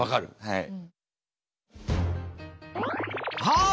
はい。